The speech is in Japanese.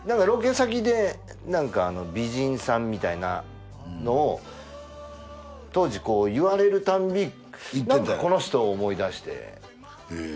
ロケ先で美人さんみたいなのを当時言われるたんびなんかこの人を思い出して。